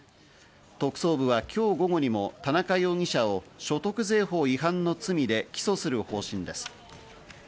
特捜部は今日午後にも田中容疑者を所得税法違反の罪で起訴する方針です。